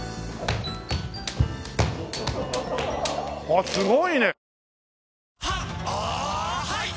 あっすごいね！